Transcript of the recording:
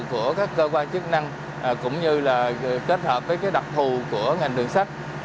của các cơ quan chức năng cũng như kết hợp với đặc thù của ngành đường sách